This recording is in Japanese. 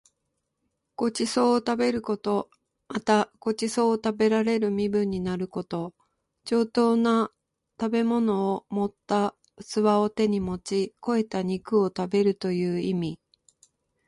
ご馳走を食べること。また、ご馳走を食べられる身分になること。上等な食物を盛った器を手に持ち肥えた肉を食べるという意味。